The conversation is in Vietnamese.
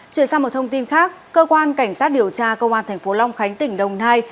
chuyển sang một thông tin khác cơ quan cảnh sát điều tra công an thành phố long khánh tỉnh đồng nai